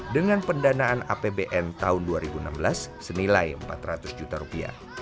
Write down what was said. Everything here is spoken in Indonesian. dengan pendanaan apbn tahun dua ribu enam belas senilai empat ratus juta rupiah